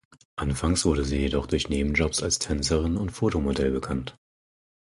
Anfangs wurde sie jedoch durch Nebenjobs als Tänzerin und Fotomodell bekannt.